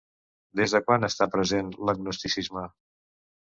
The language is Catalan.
Des de quan està present l'agnosticisme?